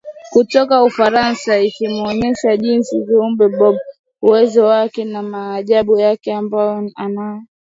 kutoka Ufarasa ikimuonyesha jinsi kiumbe bolb uwezo wake na maajabu yake ambayo anayo